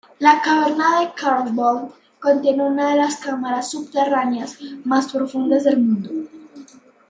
La caverna de Carlsbad contiene una de las cámaras subterráneas más profundas del mundo.